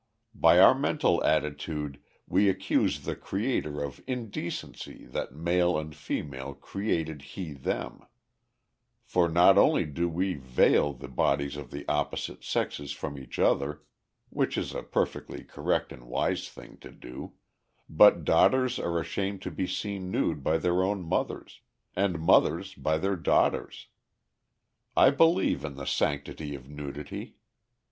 By our mental attitude we accuse the Creator of indecency that "male and female created He them," for, not only do we veil the bodies of the opposite sexes from each other, (which is a perfectly correct and wise thing to do) but daughters are ashamed to be seen nude by their own mothers, and mothers by their daughters. I believe in the sanctity of nudity.